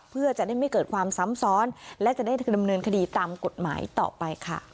เพื่อจะได้ไม่เกิดความซ้ำซ้อนและจะได้ดำเนินคดีตามกฎหมายต่อไปค่ะ